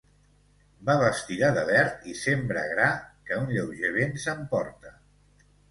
Va vestida de verd i sembra gra que un lleuger vent s'emporta.